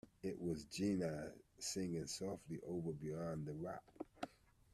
It was Jeanne singing softly over beyond the rocks.